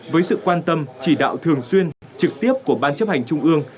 với sự quan tâm chỉ đạo thường xuyên trực tiếp của ban chấp hành trung ương